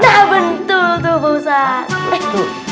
nah betul tuh pak ustadz